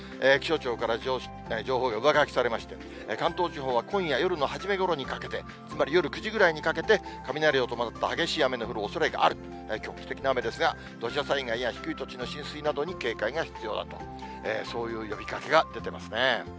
気象庁から情報が上書きされまして、関東地方は今夜、夜の初めごろにかけて、つまり夜９時ぐらいにかけて、雷を伴った激しい雨が降るおそれがある、局地的な雨ですが、土砂災害や低い土地の浸水などに警戒が必要だと、そういう呼びかけが出ていますね。